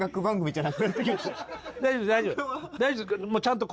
大丈夫大丈夫。